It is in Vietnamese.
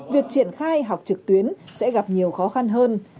việc triển khai học trực tuyến sẽ gặp nhiều khó khăn hơn